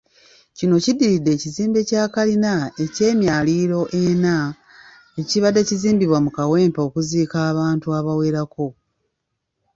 Kino kiddiridde ekizimbe kya kalina eky'emyaliro ena ekibadde kizimbibwa mu Kawempe okuziika abantu abawerako.